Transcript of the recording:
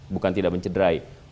bukan tidak mencederai